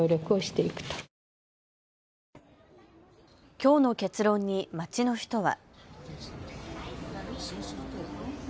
きょうの結論に街の人は。